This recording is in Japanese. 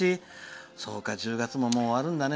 そうか、１０月ももう終わるんだね。